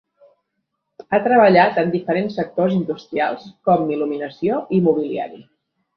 Ha treballat en diferents sectors industrials com il·luminació i mobiliari.